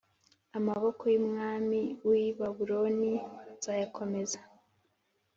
Amaboko y umwami w i Babuloni nzayakomeza